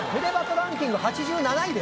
ランキング８７位ですよ。